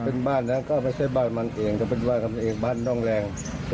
เป็นบ้านนะก็ไม่ใช่บ้านมันเองก็เป็นบ้านของมันเองบ้านต้องแรง